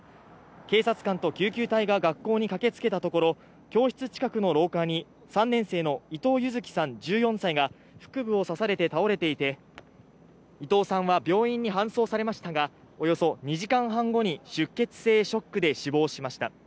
警察官と救急隊が学校に駆けつけたところ教室近くの廊下に３年生の伊藤柚輝さんが腹部を刺されて倒れていて、伊藤さんは病院に搬送されましたがおよそ２時間半後に出血性ショックで死亡しました。